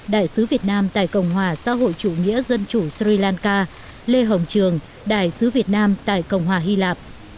đại sứ việt nam tại cộng hòa xã hội chủ nghĩa dân chủ sri lanka lê hồng trường đại sứ việt nam tại cộng hòa hy lạp